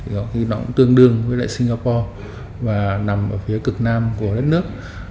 nó cũng tương đương với lại singapore và nằm ở phía cực nam của đất nước